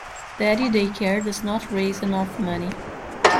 Daddy Day Care does not raise enough money.